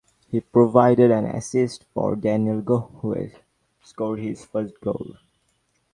He provided an assist for Daniel Goh who scored his first goal.